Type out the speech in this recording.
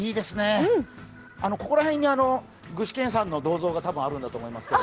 ここら辺に具志堅さんの銅像が多分あると思うんですけど。